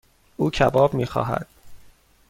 او کباب میخواهد.